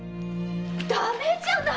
ダメじゃないか！